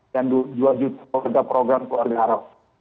dan juga untuk program keluarga arab